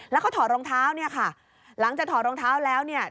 แล้วก็ถอดรองเท้าเนี่ยค่ะหลังจากถอดรองเท้าแล้วเนี่ย